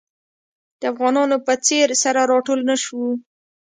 د افغانانو په څېر سره راټول نه شو.